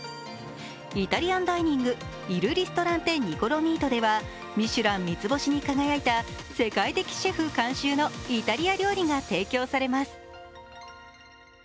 イタリアンダイニング、イル・リストランテニコ・ロミートでは、ミシュラン三つ星に輝いた世界的シェフ監修のイタリア料理が提供されます。